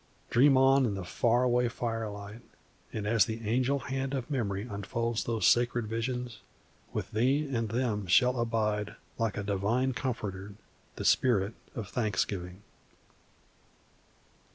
Dream on in the far away firelight; and as the angel hand of memory unfolds these sacred visions, with thee and them shall abide, like a Divine comforter, the spirit of thanksgiving.